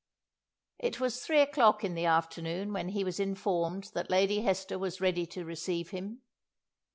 It was three o'clock in the afternoon when he was informed that Lady Hester was ready to receive him.